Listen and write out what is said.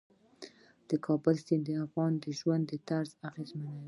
د کابل سیند د افغانانو د ژوند طرز اغېزمنوي.